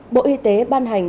bộ y tế ban hành